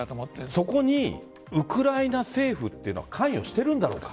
そこにウクライナ政府というのは関与しているんだろうか？